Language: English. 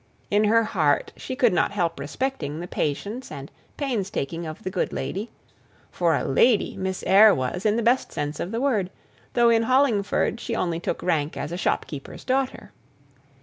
In her heart she could not help respecting the patience and painstaking of the good lady, for a "lady" Miss Eyre was in the best sense of the word, though in Hollingford she only took rank as a shopkeeper's daughter.